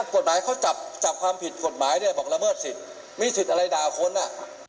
เออกฎหมายเขาจับความผิดกฎหมายเนี่ยบอกละเมิสสิสมีสิสอะไรด่าโค้นน่ะ